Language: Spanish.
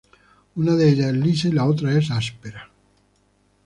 Una de ellas es lisa y la otra es áspera.